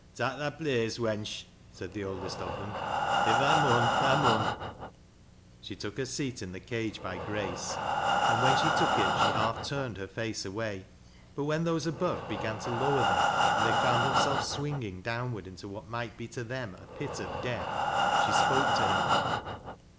" Tak' thy place, wench," said the oldest of them. " If tha mun, tha mun." She took her seat in the cage by Grace, and when she took it she half turned her face away. But when those above began to lower them, and they found themselves swinging downward into what might be to them a pit of death, she spoke to him.